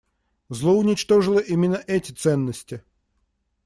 Зло уничтожило именно эти ценности.